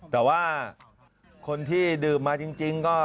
แต่ว่าคนที่ดื่มมาจริงก็